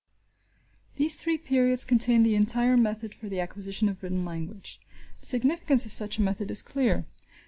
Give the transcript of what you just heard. These three periods contain the entire method for the acquisition of written language. The significance of such a method is clear.